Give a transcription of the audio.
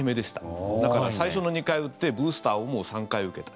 だから、最初の２回打ってブースターをもう３回受けた。